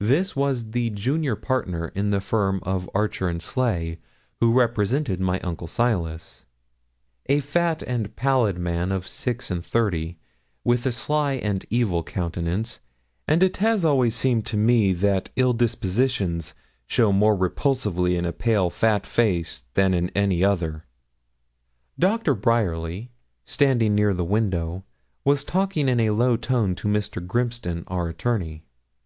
This was the junior partner in the firm of Archer and Sleigh who represented my uncle Silas a fat and pallid man of six and thirty, with a sly and evil countenance, and it has always seemed to me, that ill dispositions show more repulsively in a pale fat face than in any other. Doctor Bryerly, standing near the window, was talking in a low tone to Mr. Grimston, our attorney.